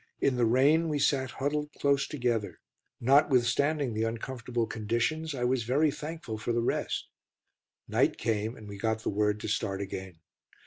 In the rain we sat huddled close together. Notwithstanding the uncomfortable conditions, I was very thankful for the rest. Night came, and we got the word to start again.